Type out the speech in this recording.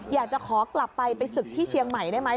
อยากจะขอกลับไปไปศึกที่เชียงใหม่ได้ไหม